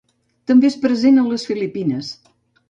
També és present a les Filipines.